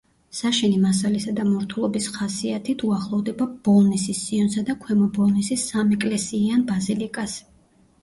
საშენი მასალისა და მორთულობის ხასიათით უახლოვდება ბოლნისის სიონსა და ქვემო ბოლნისის სამეკლესიიან ბაზილიკას.